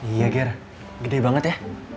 iya ger gede banget ya